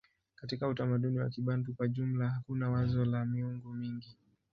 Katika utamaduni wa Kibantu kwa jumla hakuna wazo la miungu mingi.